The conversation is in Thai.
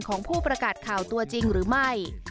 ของผู้ประกาศข่าวตัวจริงหรือไม่